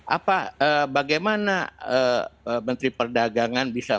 apa bagaimana menteri perdagangan bisa